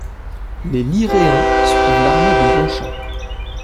Les Liréens suivent l’armée de Bonchamp.